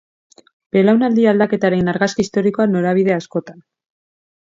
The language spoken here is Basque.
Belaunaldi aldaketaren argazki historikoa norabide askotan.